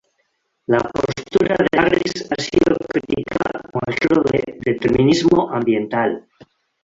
La postura de Harris ha sido criticada como ejemplo de "determinismo ambiental".